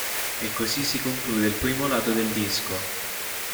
E così si conclude il primo lato del disco.